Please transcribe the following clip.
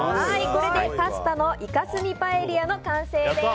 これでパスタのイカ墨パエリア完成です。